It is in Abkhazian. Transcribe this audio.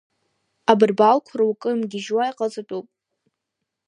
Абырбалқәа руакы мгьежьуа иҟаҵатәуп.